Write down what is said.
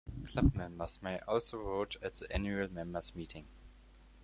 Club members may also vote at the Annual Members Meeting.